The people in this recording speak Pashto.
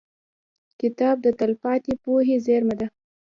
• کتاب د تلپاتې پوهې زېرمه ده.